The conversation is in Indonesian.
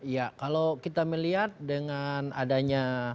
ya kalau kita melihat dengan adanya